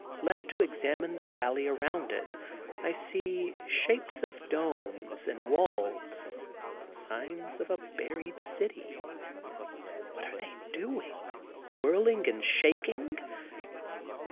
Led to examine the valley around it, I see shapes of domes and wall—signs of a buried city. What are they doing? Whirling and shaking?